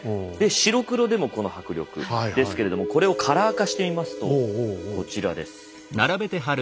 白黒でもこの迫力ですけれどもこれをカラー化してみますとこちらです。